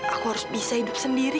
aku harus bisa hidup sendiri